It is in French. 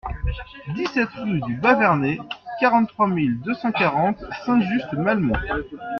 dix-sept rue du Bas-Vernay, quarante-trois mille deux cent quarante Saint-Just-Malmont